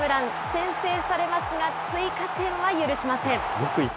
先制されますが、追加点は許しません。